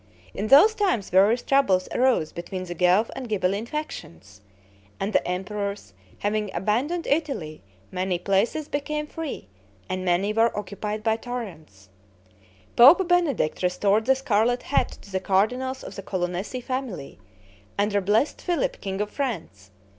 In those times various troubles arose between the Guelph and Ghibelline factions; and the emperors having abandoned Italy, many places became free, and many were occupied by tyrants. Pope Benedict restored the scarlet hat to the cardinals of the Colonnesi family, and reblessed Philip, king of France.